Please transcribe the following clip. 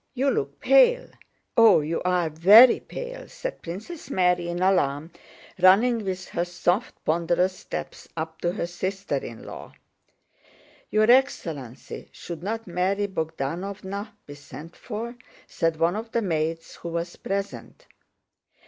You look pale. Oh, you are very pale!" said Princess Mary in alarm, running with her soft, ponderous steps up to her sister in law. "Your excellency, should not Mary Bogdánovna be sent for?" said one of the maids who was present.